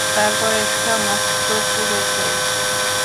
তারপর একটা মস্ত কুঁড়ে চাই।